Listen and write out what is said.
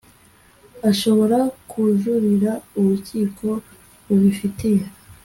ashobora kujuririra urukiko rubifitiye